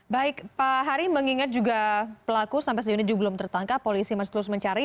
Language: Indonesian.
baik pak hari mengingat juga pelaku sampai sejauh ini juga belum tertangkap polisi masih terus mencari